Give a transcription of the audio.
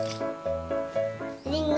りんご。